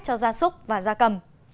cho gia súc và gia cầm